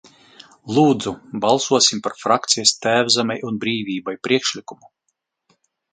"Lūdzu, balsosim par frakcijas "Tēvzemei un brīvībai" priekšlikumu!"